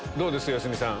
良純さん。